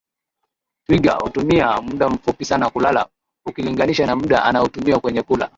Twiga hutumia muda mfupi sana kulala ukilinganisha na muda anaotumia kwenye kula